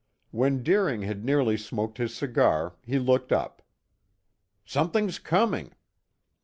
When Deering had nearly smoked his cigar he looked up. "Something's coming!"